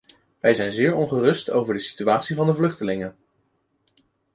Wij zijn zeer ongerust over de situatie van de vluchtelingen.